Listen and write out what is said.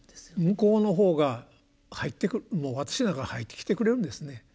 向こうの方が入ってくるもう私の中に入ってきてくれるんですね。